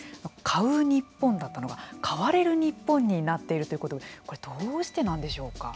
買う日本だったのが買われる日本になっているということでこれ、どうしてなんでしょうか。